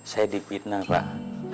saya dipinah pak